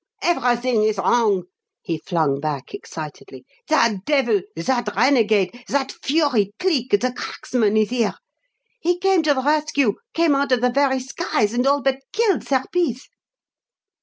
"Everything is wrong!" he flung back excitedly. "That devil that renegade that fury, Cleek, the cracksman, is here. He came to the rescue came out of the very skies and all but killed Serpice!"